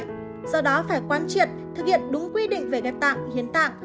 do đó phải quan triệt thực hiện đúng quy định về ghép tạng hiến tạng